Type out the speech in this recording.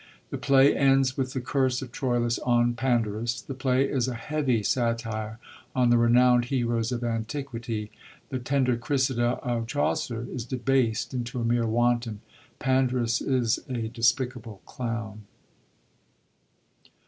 The play ends with the curse of Troilus on Pandarus. The play is a heavy satire on the renownd heroes of antiquity; the tender Criseyde of Chaucer is debased into a mere wanton; Pandarus is a despicable clown.